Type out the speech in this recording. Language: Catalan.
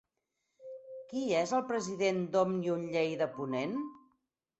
Qui és el president d'Òmnium Lleida-Ponent?